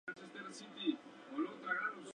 Se alimenta de frutos y semillas.